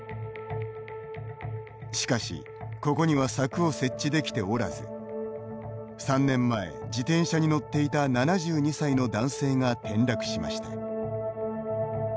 しかしここには柵を設置できておらず３年前、自転車に乗っていた７２歳の男性が転落しました。